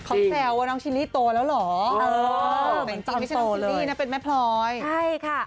เขาแซวว่าน้องชิลลี่โตแล้วเหรอเออแต่จริงไม่ใช่น้องชิลลี่นะเป็นแม่พลอยใช่ค่ะ